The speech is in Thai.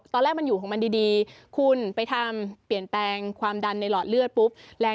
ตอนแรกมันอยู่ของมันดีคุณไปทำเปลี่ยนแปลงความดันในหลอดเลือดปุ๊บแรง